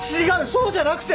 そうじゃなくて。